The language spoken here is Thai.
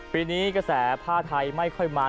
ปีนี้กระแสผ้าไทยไม่ค่อยมา